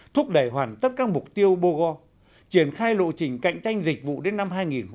thúc đẩy hoàn tất các mục tiêu bogo triển khai lộ trình cạnh tranh dịch vụ đến năm hai nghìn hai mươi năm